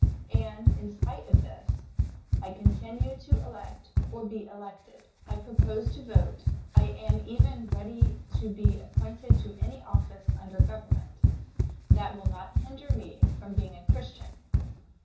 And, in spite of this, I continue to elect or be elected, I propose to vote, I am even ready to be appointed to any office under government. That will not hinder me from being a Christian.